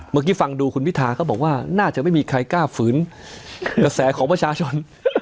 เมื่อกี้ฟังดูคุณพิทาก็บอกว่าน่าจะไม่มีใครกล้าฝืนกระแสของประชาชน